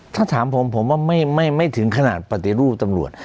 ถ้าถามผมผมว่าไม่ถึงขนาดปฏิรูปตำรวจ